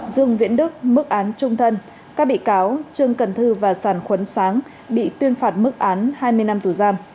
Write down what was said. dương viễn đức mức án trung thân các bị cáo trương cần thư và sàn khuấn sáng bị tuyên phạt mức án hai mươi năm tù giam